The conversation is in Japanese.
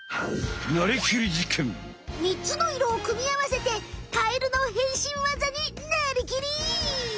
３つの色をくみあわせてカエルの変身わざになりきり！